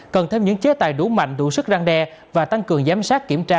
cần thêm những chế tài đủ mạnh đủ sức răng đe và tăng cường giám sát kiểm tra